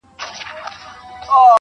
غوږ سه راته~